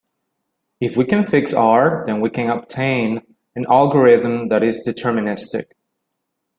If we can fix "R" then we obtain an algorithm that is deterministic.